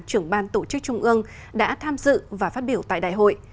trưởng ban tổ chức trung ương đã tham dự và phát biểu tại đại hội